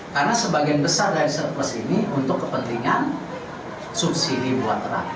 karena sebagian besar dari surplus ini untuk kepentingan subsidi buat rakyat